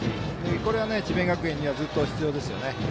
これは智弁学園には必要ですね。